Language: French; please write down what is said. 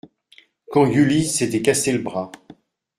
Quand Yulizh s’était cassée le bras.